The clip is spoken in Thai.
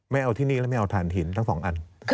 ไม่เอาที่นี่แล้วไม่เอาฐานหินทั้งสองอัน